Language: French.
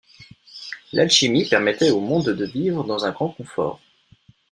L'alchimie permettait au monde de vivre dans un grand confort.